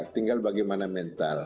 tinggal bagaimana mentalnya